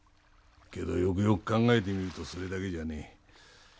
けどよくよく考えてみるとそれだけじゃねえ。